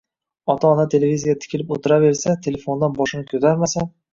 Ota-ona televizorga tikilib o‘tiraversa, telefondan boshini ko‘tarmasa